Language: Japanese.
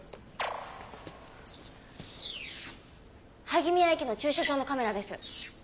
萩宮駅の駐車場のカメラです。